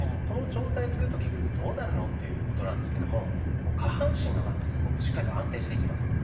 その状態を作ると結局どうなるのっていうことなんですけども下半身がまずすごくしっかりと安定してきます。